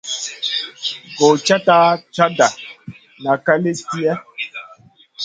Gochata chata nak ka li tihè?